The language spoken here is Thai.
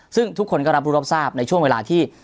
ซึ่งทุกคนก็รับรู้รับทราบในช่วงเวลาที่